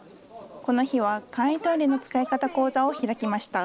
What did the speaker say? この日は、簡易トイレの使い方講座を開きました。